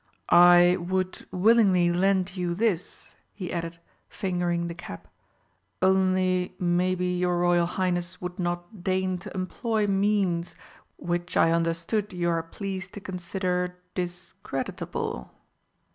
I would willingly lend you this," he added, fingering the cap, "only maybe your Royal Highness would not deign to employ means which I understood you are pleased to consider discreditable?"